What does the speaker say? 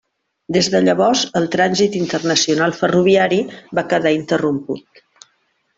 Des de llavors el trànsit internacional ferroviari va quedar interromput.